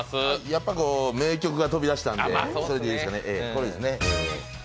やっぱ名曲が飛び出したんで、これですね。